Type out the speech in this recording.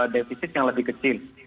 defisit yang lebih kecil